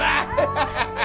ハハハハハ。